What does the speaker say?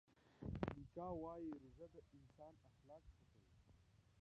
میکا وايي روژه د انسان اخلاق ښه کوي.